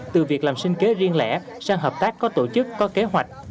từ việc làm sinh kế riêng lẻ sang hợp tác có tổ chức có kế hoạch